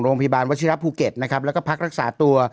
วัชิระภูเก็ตนะครับแล้วก็พักรักษาตัว